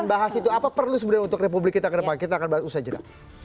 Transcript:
kita bahas itu apa perlu sebenarnya untuk republik kita ke depan kita akan bahas usaha jeda